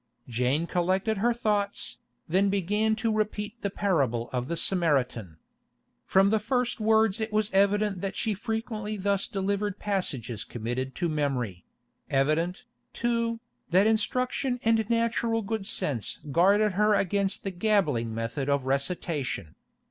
Jane collected her thoughts, then began to repeat the parable of the Samaritan. From the first words it was evident that she frequently thus delivered passages committed to memory; evident, too, that instruction and a natural good sense guarded her against the gabbling method of recitation.